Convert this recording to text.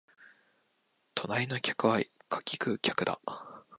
隣の客は柿食う客だ